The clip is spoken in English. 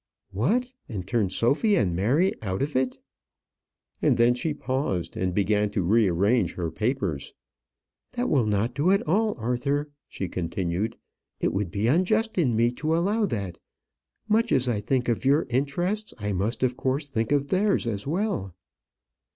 "What, and turn Sophy and Mary out of it!" And then she paused, and began to rearrange her papers. "That will not do at all, Arthur," she continued. "It would be unjust in me to allow that; much as I think of your interests, I must of course think of theirs as well."